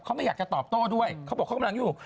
เขาไม่อยากจะตอบโต้ด้วยเขาบอกเขากำลังอยู่